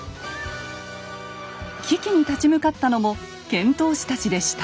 危機に立ち向かったのも遣唐使たちでした。